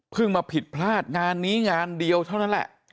มาผิดพลาดงานนี้งานเดียวเท่านั้นแหละ